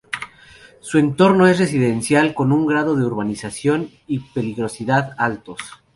Su entorno es residencial, con un grado de urbanización y peligrosidad altos.